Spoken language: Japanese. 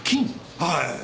はい。